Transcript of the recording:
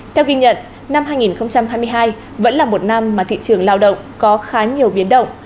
theo ghi nhận năm hai nghìn hai mươi hai vẫn là một năm mà thị trường lao động có khá nhiều biến động